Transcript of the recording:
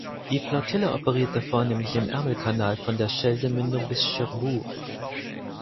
Die Flottille operierte vornehmlich im Ärmelkanal von der Scheldemündung bis Cherbourg.